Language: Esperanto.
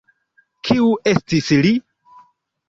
Kiu estis li?